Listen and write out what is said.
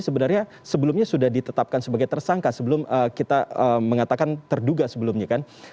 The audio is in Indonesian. sebenarnya sebelumnya sudah ditetapkan sebagai tersangka sebelum kita mengatakan terduga sebelumnya kan